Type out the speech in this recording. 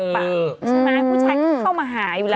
ผู้ชายเข้ามาหายอยู่แล้ว